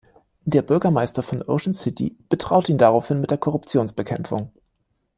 Der Bürgermeister von Ocean City betraut ihn daraufhin mit der Korruptionsbekämpfung.